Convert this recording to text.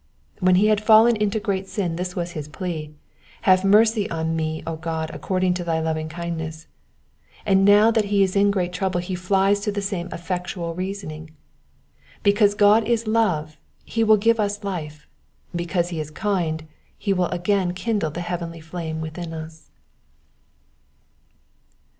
When he had fallen into great sin this was liis plea, " Have mercy upon me, O God, according to thy lovingkindness," and now that he is in great trouble he flies to the same effectual reasoning. Because God is love he will give us life ; because he is kind he will again kindle the heavenly flame within us.